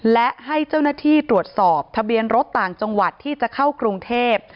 และให้เจ้าหน้าที่ตรวจสอบทะเบียนรถต่างจังหวัดที่จะเข้ากรุงเทพ